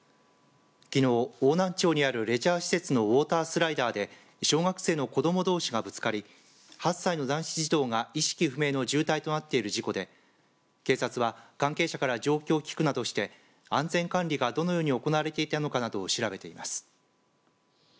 きのう、邑南町にあるレジャー施設のウォータースライダーで小学生の子どもどうしがぶつかり８歳の男子児童が意識不明の重体となっている事故で警察は関係者から状況を聞くなどして安全管理がどのように行われていたのかなどを調べています。